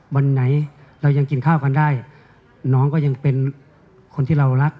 วันไหนเรายังกินข้าวกันได้น้องก็ยังเป็นคนที่เรารัก